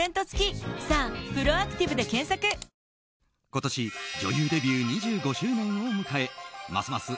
今年女優デビュー２５周年を迎えますます